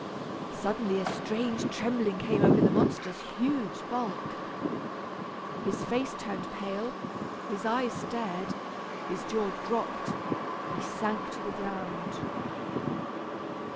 Suddenly a strange trembling came over the monster's huge bulk. His face turned pale, his eyes stared, his jaw dropped, he sank to the ground.